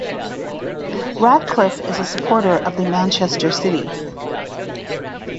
Radcliffe is a supporter of Manchester City.